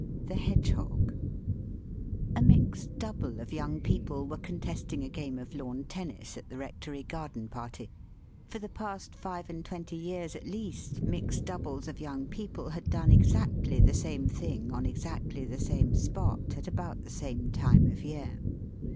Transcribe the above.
THE HEDGEHOG A "Mixed Double" of young people were contesting a game of lawn tennis at the Rectory garden party; for the past five and twenty years at least mixed doubles of young people had done exactly the same thing on exactly the same spot at about the same time of year.